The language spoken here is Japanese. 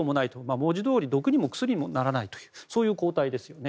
文字どおり毒にも薬にもならないそういう抗体ですね。